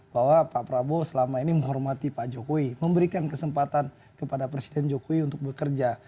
bahwa pak prabowo selama ini menghormati pak jokowi memberikan kesempatan kepada presiden jokowi untuk bekerja